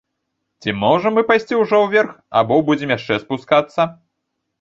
Ці можам мы пайсці ўжо ўверх, або будзем яшчэ спускацца?